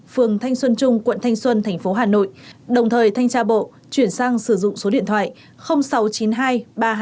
phường thanh xuân trung quận thanh xuân thành phố hà nội đồng thời thanh tra bộ chuyển sang sử dụng số điện thoại